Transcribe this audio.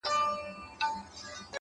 د عمل اغېز تر خبرو ژور وي.